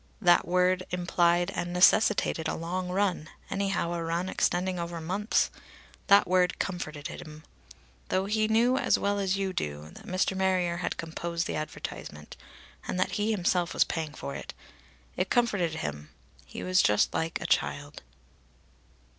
That word implied and necessitated a long run, anyhow a run extending over months. That word comforted him. Though he knew as well as you do that Mr. Marrier had composed the advertisement, and that he himself was paying for it, it comforted him. He was just like a child.